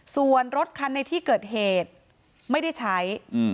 ส่วนรถคันในที่เกิดเหตุไม่ได้ใช้